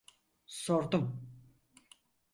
Sordum.